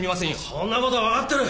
そんな事はわかってる！